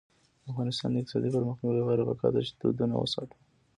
د افغانستان د اقتصادي پرمختګ لپاره پکار ده چې دودونه وساتو.